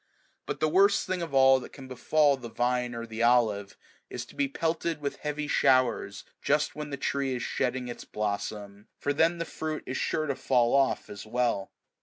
But the worst thing of all that can befall the vine or the olive, is to be pelted with heavy showers just when the tree is shedding its blossom, for then the fruit is sure to fall oh01 as well.